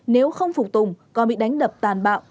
nếu không phục tùng còn bị đánh đập tàn bạo